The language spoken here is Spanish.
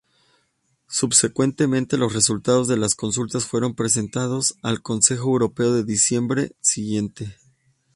Subsecuentemente los resultados de las consultas fueron presentados al Consejo Europeo de diciembre siguiente.